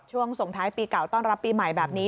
ส่งท้ายปีเก่าต้อนรับปีใหม่แบบนี้